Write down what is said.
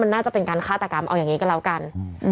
มันน่าจะเป็นการฆ่าตากรรมเอาอย่างงี้กับเรากันอืม